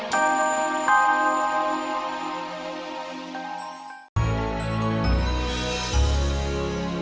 saya juga sangat baik